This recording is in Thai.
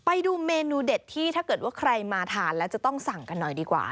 ไปดูเมนูเด็ดที่ถ้าเกิดว่าใครมาทานแล้วจะต้องสั่งกันหน่อยดีกว่า